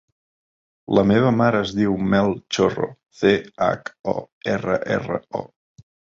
La meva mare es diu Mel Chorro: ce, hac, o, erra, erra, o.